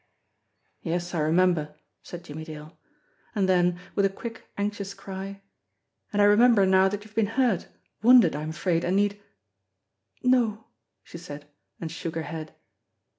"Yes, I remember," said Jimmie Dale; and then, with a quick, anxious cry: "And I remember now that you've been hurt, wounded, I am afraid, and need " "No," she said, and shook her head.